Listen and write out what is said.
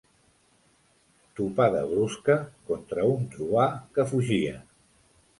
Topada brusca contra un truà que fugia.